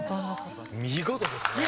見事ですね。